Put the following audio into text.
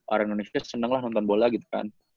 orang indonesia seneng lah nonton bola gitu kan